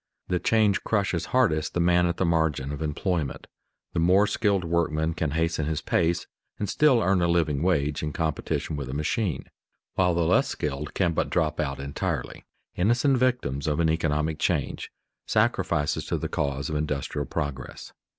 The change crushes hardest the man at the margin of employment. The more skilled workman can hasten his pace and still earn a living wage in competition with a machine, while the less skilled can but drop out entirely, innocent victims of an economic change, sacrifices to the cause of industrial progress.